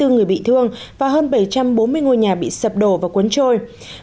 hai mươi người bị thương và hơn bảy trăm bốn mươi ngôi nhà bị sập đổ và cuốn trôi